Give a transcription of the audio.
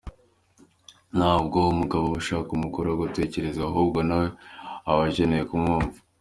Ntabwo umugabo aba ashaka umugore wo gutekererezwa, ahubwo na we aba akeneye kumwumva.